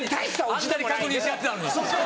あんなに確認し合ったのに。